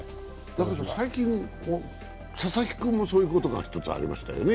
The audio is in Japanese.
だけど最近、佐々木君もそういうことがありましたよね。